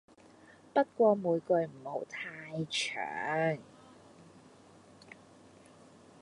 不過每句唔好太長